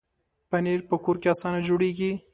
پنېر په کور کې اسانه جوړېږي.